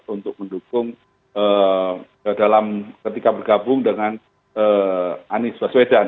untuk mendukung dalam ketika bergabung dengan anies baswedan